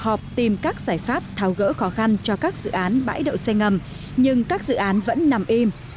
họp tìm các giải pháp tháo gỡ khó khăn cho các dự án bãi đậu xe ngầm nhưng các dự án vẫn nằm im